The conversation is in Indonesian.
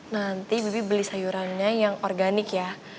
nanti bibi beli sayurannya yang organik ya